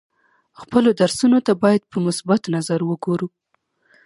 خپلو درسونو ته باید په مثبت نظر وګورو.